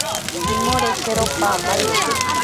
Pimorekero paamari.